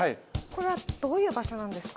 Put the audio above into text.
これはどういう場所なんですか？